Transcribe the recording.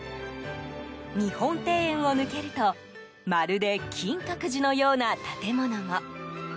日本庭園を抜けるとまるで金閣寺のような建物も。